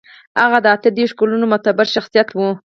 هغه د اتو دېرشو کلونو معتبر شخصيت و.